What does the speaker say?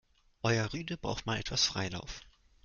Euer Rüde braucht mal etwas Freilauf.